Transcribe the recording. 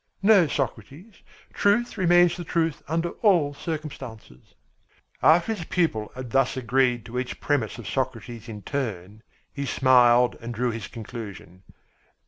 "No, Socrates, truth remains the truth under all circumstances." After his pupil had thus agreed to each premise of Socrates in turn, he smiled and drew his conclusion.